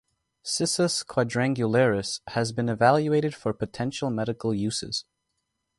"Cissus quadrangularis" has been evaluated for potential medical uses.